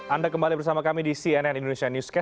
anda kembali bersama kami di cnn indonesia newscast